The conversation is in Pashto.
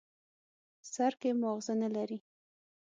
سر کې ماغزه نه لري.